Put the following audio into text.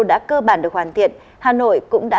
đã cơ bản được hoàn thiện hà nội cũng đã